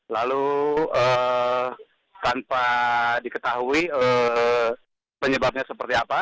lalu tanpa diketahui penyebabnya seperti apa